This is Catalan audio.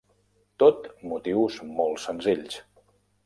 Tot motius molt senzills.